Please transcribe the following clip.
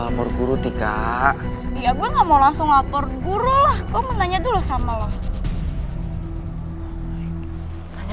sampai jumpa di video selanjutnya